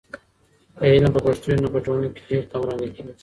که علم په پښتو وي، نو په ټولنه کې د جهل کمرنګه کیږي.